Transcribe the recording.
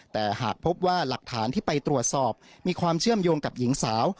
แต่หากพบว่าหลักฐานที่ไปตรวจสอบมีความเชื่อมโยงกับหญิงสาว